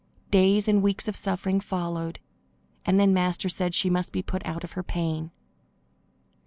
Days and weeks of suffering followed, and then Master said she must be put out of her pain.